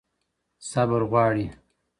صبر غواړي.